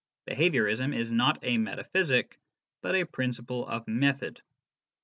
Behaviourism is not a metaphysjc, but ;i principle of method.